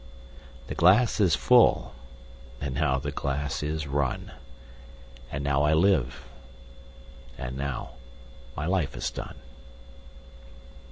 17The glass is full, and now the glass is run,18And now I live, and now my life is done.